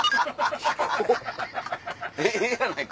ひこええやないか。